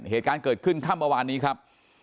เหตุการณ์เกิดขึ้นขั้มประวันนี้ครับ